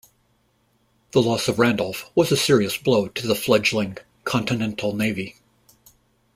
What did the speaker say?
The loss of "Randolph" was a serious blow to the fledgling Continental Navy.